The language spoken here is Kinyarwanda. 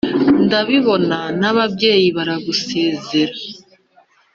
ndabibona n’ababyeyi baragusezera